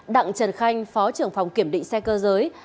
đặng trần khanh phó trưởng phòng kiểm định xe cơ giới